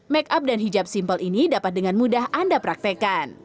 make up dan hijab simpel ini dapat dengan mudah anda praktekkan